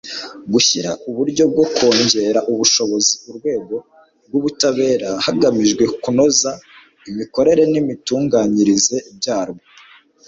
gushyiraho uburyo bwo kongerera ubushobozi urwego rw'ubutabera hagamijwe kunoza imikorere n'imitunganyirize byarwo